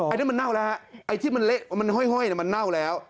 ไอ้นั้นมันเน่าแล้วไอ้ที่มันเล็กมันห้อยเนี่ยมันเน่าแล้ว